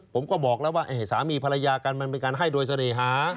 ผมก็บอกแล้วว่าสามีภรรยากันมันเป็นการให้โดยเสน่หา